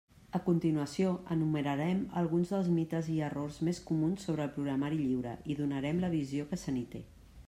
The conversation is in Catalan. A continuació enumerarem alguns dels mites i errors més comuns sobre el programari lliure i donarem la visió que se n'hi té.